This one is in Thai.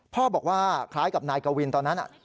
พ่อบอกว่าคล้ายกับนายกวินตอนนั้น